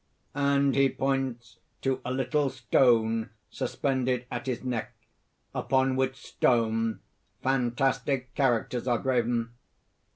(_And he points to a little stone suspended at his neck, upon which stone fantastic characters are graven.